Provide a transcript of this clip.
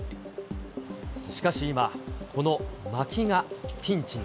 しかし今、このまきがピンチに。